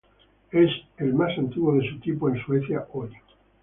Es el más antiguo de su tipo en Suecia hoy.